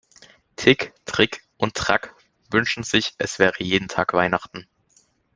Tick, Trick und Track wünschen sich, es wäre jeden Tag Weihnachten.